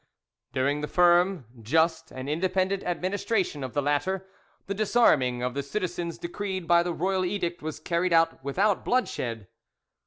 During the firm, just, and independent administration of the latter, the disarming of the citizens decreed by the royal edict was carried out without bloodshed.